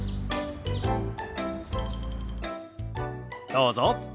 どうぞ。